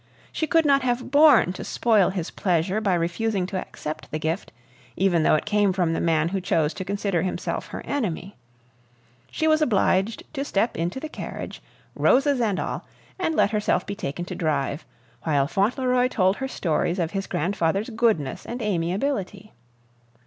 She could not have borne to spoil his pleasure by refusing to accept the gift even though it came from the man who chose to consider himself her enemy. She was obliged to step into the carriage, roses and all, and let herself be taken to drive, while Fauntleroy told her stories of his grandfather's goodness and amiability.